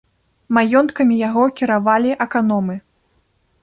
Маёнткамі яго кіравалі аканомы.